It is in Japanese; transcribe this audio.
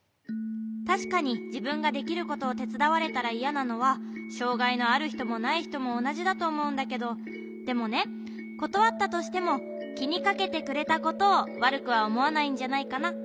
たしかにじぶんができることをてつだわれたらいやなのはしょうがいのあるひともないひともおなじだとおもうんだけどでもねことわったとしてもきにかけてくれたことをわるくはおもわないんじゃないかな。